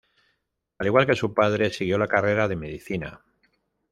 Al igual que su padre siguió la carrera de medicina.